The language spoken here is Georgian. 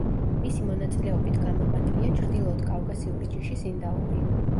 მისი მონაწილეობით გამოყვანილია ჩრდილოეთ კავკასიური ჯიშის ინდაური.